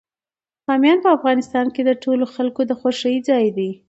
بامیان په افغانستان کې د ټولو خلکو د خوښې ځای دی.